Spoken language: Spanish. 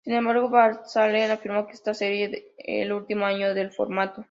Sin embargo, Valcárcel afirmó que este seria el último año del formato.